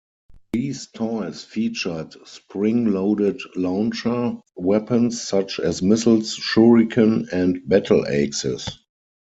These toys featured spring-loaded launcher weapons such as missiles, shuriken, and battle axes.